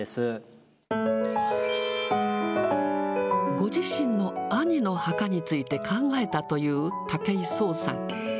ご自身の兄の墓について考えたという武井壮さん。